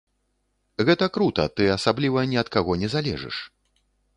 Гэта крута, ты асабліва ні ад каго не залежыш.